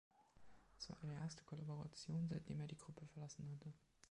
Es war ihre erste Kollaboration, seitdem er die Gruppe verlassen hatte.